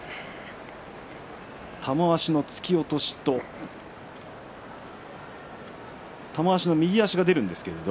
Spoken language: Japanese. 玉鷲の突き落としと玉鷲の右足が出るんですけれども。